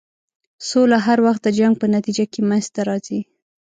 سوله هر وخت د جنګ په نتیجه کې منځته راځي.